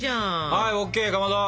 はいＯＫかまど！